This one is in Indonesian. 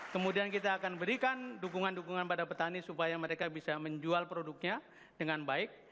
kemudian kita akan berikan dukungan dukungan pada petani supaya mereka bisa menjual produknya dengan baik